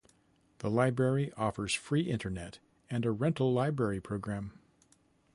The library offers free internet and a rental library program.